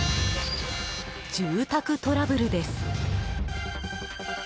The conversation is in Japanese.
住宅トラブルです。